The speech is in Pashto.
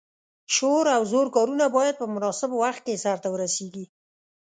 شور او زور کارونه باید په مناسب وخت کې سرته ورسیږي.